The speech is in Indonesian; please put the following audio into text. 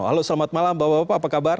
halo selamat malam bapak bapak apa kabar